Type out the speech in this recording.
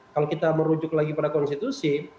kalau kita merujuk lagi pada konstitusi